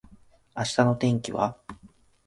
明日の天気は？